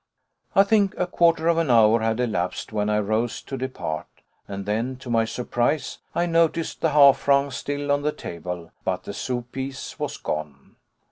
I think a quarter of an hour had elapsed, when I rose to depart, and then, to my surprise, I noticed the half franc still on the table, but the sous piece was gone.